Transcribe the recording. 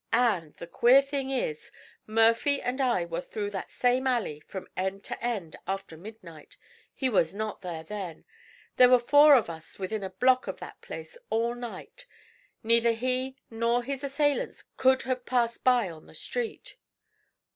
'And the queer thing is, Murphy and I were through that same alley, from end to end, after midnight. He was not there then. There were four of us within a block of that place all night. Neither he nor his assailants could have passed by on the street.'